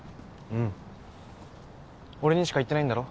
うん俺にしか言ってないんだろ？